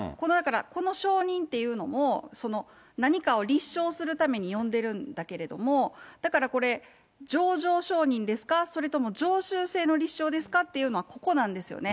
この証人っていうのも、何かを立証するために呼んでるんだけれども、だからこれ、情状証人ですか、それとも常習性の立証ですかっていうのはここなんですよね。